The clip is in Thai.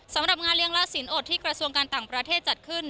สำหรับงานเลี้ยลาดสินอดที่กระทรวงการต่างประเทศจัดขึ้น